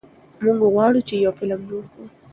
موږ غواړو چې یو فلم جوړ کړو.